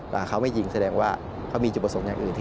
ว่าเขาไม่ยิงแสดงว่าเขามีจุดประสงค์อย่างอื่น